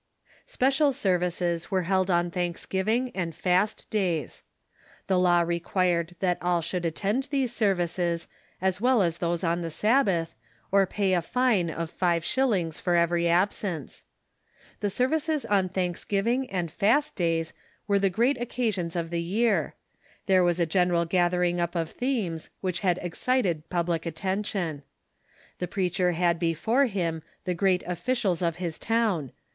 Special services were held on Thanksgiving and fast days. 474 THE CHURCH IX THE UNITED STATES The law required that all should attend these services, as well as those on the Sabbath, or pay a fine of five shil Thanksgiving lings for every absence. The services on Thanks as ays gj^j^^g ^y^^ f^g^ dajs were the great occasions of the year. There was a general gathering up of themes which bad excited public attention. The preacher bad before him the great ofiicials of his town.